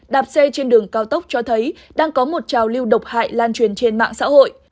đạp xe trên đường cao tốc cho thấy đang có một trào lưu độc hại lan truyền trên mạng xã hội